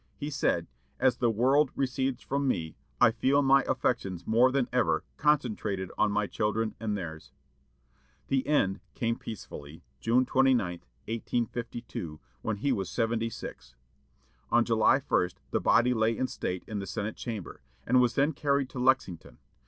He said: "As the world recedes from me, I feel my affections more than ever concentrated on my children and theirs." The end came peacefully, June 29, 1852, when he was seventy six. On July 1 the body lay in state in the Senate chamber, and was then carried to Lexington.